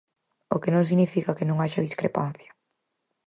O que non significa que non haxa discrepancia.